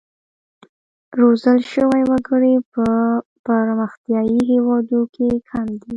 روزل شوي وګړي په پرمختیايي هېوادونو کې کم دي.